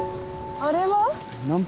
あれは？